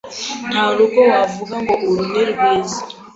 Nta rugo wavuga ngo uru ni rwiza